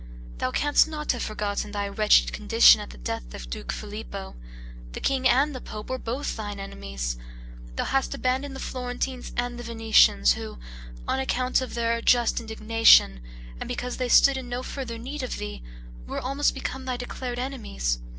Thou canst not have forgotten thy wretched condition at the death of the duke Filippo; the king and the pope were both thine enemies; thou hadst abandoned the Florentines and the Venetians, who, on account of their just indignation, and because they stood in no further need of thee, were almost become thy declared enemies.